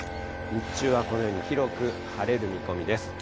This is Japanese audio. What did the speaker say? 日中はこのように広く晴れる見込みです。